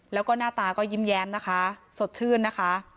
แล้วก็หน้าตาก็ยิ้มแย้มนะคะสดชื่นนะคะ